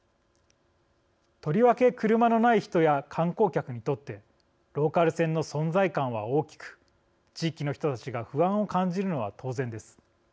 とりわけ車のない人や観光客にとってローカル線の存在感は大きく地域の人たちが不安を感じるのは当然です。